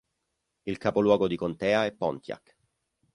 Il capoluogo di contea è Pontiac.